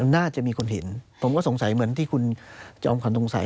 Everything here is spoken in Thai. น่าจะมีคนเห็นผมก็สงสัยเหมือนที่คุณจอมขวัญสงสัย